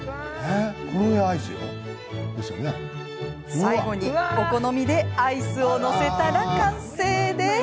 最後にお好みでアイスを載せたら完成です。